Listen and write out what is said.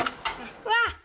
うわっ！